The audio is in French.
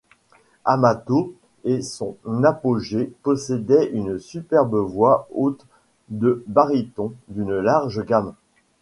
Amato à son apogée possédait une superbe voix haute de baryton d'une large gamme.